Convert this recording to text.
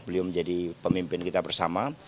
beliau menjadi pemimpin kita bersama